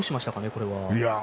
これは。